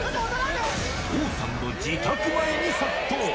王さんの自宅前に殺到。